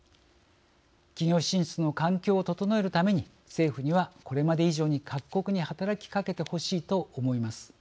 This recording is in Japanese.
企業進出の環境を整えるために政府には、これまで以上に各国に働きかけてほしいと思います。